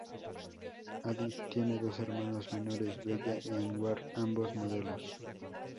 Hadid tiene dos hermanos menores, Bella y Anwar, ambos modelos.